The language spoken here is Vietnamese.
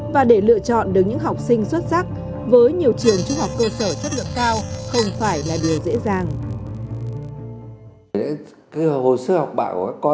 và để lựa chọn được những học sinh xuất sắc